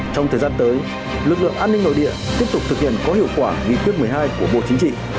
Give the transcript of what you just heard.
trong thời gian tới lực lượng an ninh nội địa tiếp tục thực hiện có hiệu quả nghị quyết một mươi hai của bộ chính trị